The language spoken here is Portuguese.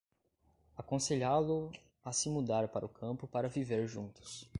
Aconselhá-lo a se mudar para o campo para viver juntos